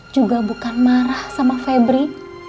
juga bukan marah sama febri